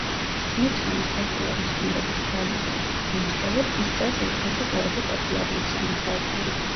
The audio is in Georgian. სმითსონის ფესტივალის სტუმრების თავმოყრით თუ ვიმსჯელებთ, ის წელს ერთ-ერთი ყველაზე პოპულარული სანახაობაა.